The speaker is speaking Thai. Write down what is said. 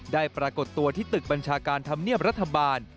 ปรากฏตัวที่ตึกบัญชาการธรรมเนียบรัฐบาล